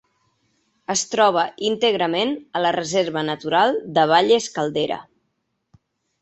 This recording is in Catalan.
Es troba íntegrament a la Reserva Natural de Valles Caldera.